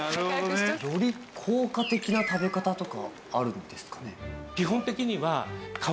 より効果的な食べ方とかあるんですかね？